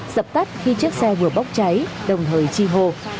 dập tắt khi chiếc xe vừa bốc cháy đồng thời chi hô